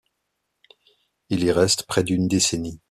Il y reste près d'une décennie.